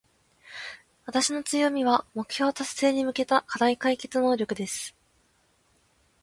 私の強みは、目標達成に向けた課題解決能力です。